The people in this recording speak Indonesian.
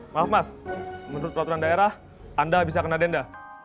maaf mas menurut peraturan daerah anda bisa kena denda